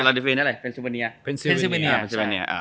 ฟิลาเดเฟียร์นี่อะไรเฟรนซิเวอร์เนียเฟรนซิเวอร์เนียเฟรนซิเวอร์เนียอ่า